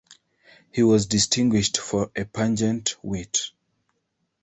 He was distinguished for a pungent wit.